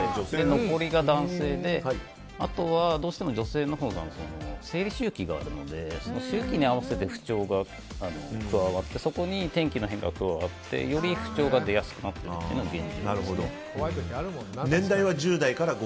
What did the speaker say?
残りが男性であとはどうしても女性のほうが生理周期があるので周期に合わせて不調があってそこに天気の変化が加わってより不調が出やすくなるというのが現実ですね。